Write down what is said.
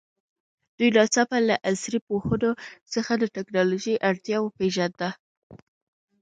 دوی ناڅاپه له عصري پوهنو څخه د تکنالوژي اړتیا وپېژانده.